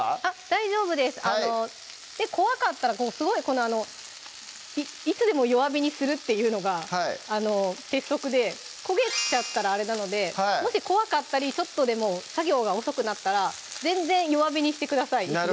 大丈夫です怖かったらいつでも弱火にするっていうのが鉄則で焦げちゃったらあれなのでもし怖かったりちょっとでも作業が遅くなったら全然弱火にしてください